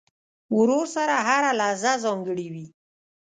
ورور سره هره لحظه ځانګړې وي.